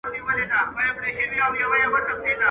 دا هډوکی د لېوه ستوني کي بند سو.